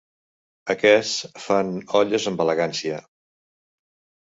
Aquests fan olles amb elegància.